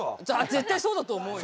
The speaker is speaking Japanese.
絶対そうだと思うよ。